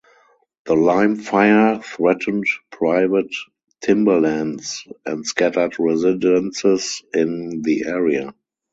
The Lime Fire threatened private timberlands and scattered residences in the area.